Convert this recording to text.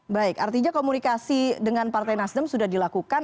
baik artinya komunikasi dengan partai nasdem sudah dilakukan